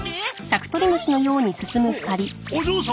おお嬢様！